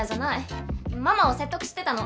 ママを説得してたの。